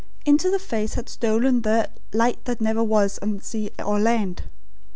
Into the face had stolen the "light that never was on sea or land."